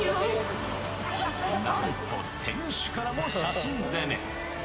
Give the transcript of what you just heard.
なんと選手からも写真攻め。